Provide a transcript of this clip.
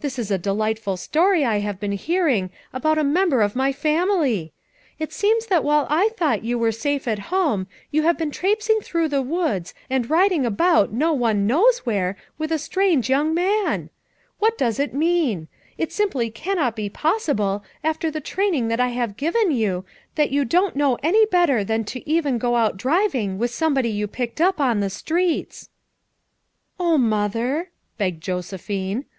This is a delightful story I have been hearing about a member of my family! It seems that while I thought you safe at home, you have been traipsing through the woods, and riding about no one knows where, with a strange young man ! What does it mean ? It simply cannot be possible, after all the training that I have given you, that you don't know any better than to even go out driv ing with somebody you picked up on the streets V 9 "Oh, Mother!" begged Josephine.